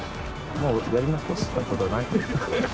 もうやり残したことはないでしょ？